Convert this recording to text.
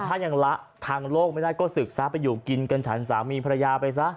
ถ้ายังละทางโลกไม่ได้ก็ศึกซะไปอยู่กินกันฉันสามีภรรยาไปซะ